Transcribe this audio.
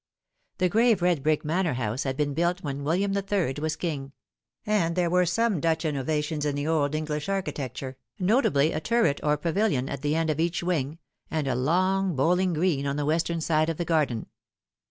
The grave red brick manor house had been built when William III. was King ; and there were some Dutch innovations in the Old English architecture, notably a turret or pavilion at Without tfu Wolf. 45 the end of each wing, and a long bowling green on the western side of the garden.